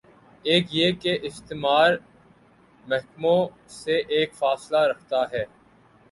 ایک یہ کہ استعمار محکوموں سے ایک فاصلہ رکھتا ہے۔